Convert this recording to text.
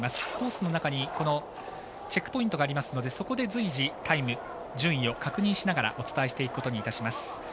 コースの中にチェックポイントがありますので、そこで随時タイム、順位を確認しながらお伝えしていくことにしています。